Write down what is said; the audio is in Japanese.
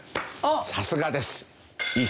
さすがです！